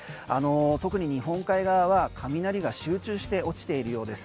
特に日本海側は雷が集中して落ちているようです。